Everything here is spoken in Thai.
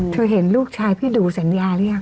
เห็นลูกชายพี่ดูสัญญาหรือยัง